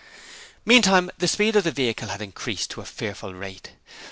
Meantime the speed of the vehicle had increased to a fearful rate.